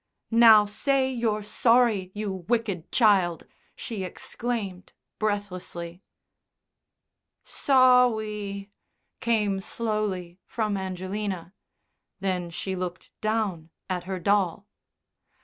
"Now say you're sorry, you wicked child!" she exclaimed breathlessly. "Sowwy," came slowly from Angelina. Then she looked down at her doll.